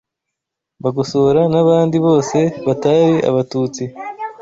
Bagosora n’abandi bose batari abatutsi